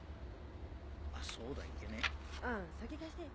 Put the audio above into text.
あっそうだいけねえ。